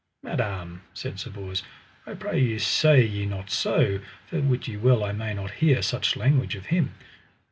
Madam, said Sir Bors, I pray you say ye not so, for wit you well I may not hear such language of him.